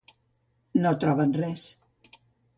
No troben res.